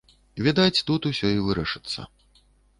Відаць, тут усё і вырашыцца.